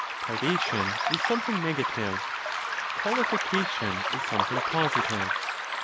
Privation is something negative; qualification is something positive.